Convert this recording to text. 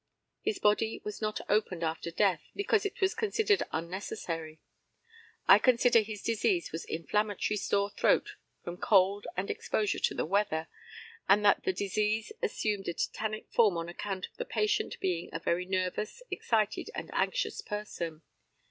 His body was not opened after death, because it was considered unnecessary. I consider his disease was inflammatory sore throat from cold and exposure to the weather, and that the disease assumed a tetanic form on account of the patient being a very nervous, excited, and anxious person.